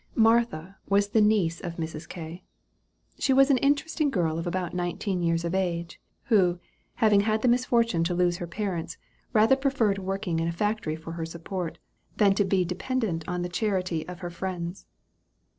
Martha was the niece of Mr. K. She was an interesting girl of about nineteen years of age, who, having had the misfortune to lose her parents, rather preferred working in a factory for her support, than to be dependent on the charity of her friends.